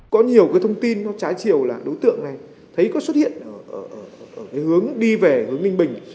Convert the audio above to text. có nhiều cái thông tin nó trái chiều là đối tượng này thấy có xuất hiện ở cái hướng đi về hướng ninh bình